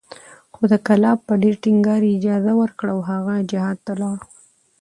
خو د کلاب په ډېر ټينګار یې اجازه ورکړه او هغه جهاد ته ولاړ